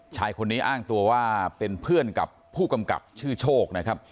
ชายคนนี้อ้างตัวว่าเป็นเพื่อนกับผู้กำกับชื่อโชคนะครับ